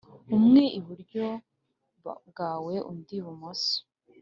umwe iburyo bwawe undi ibumoso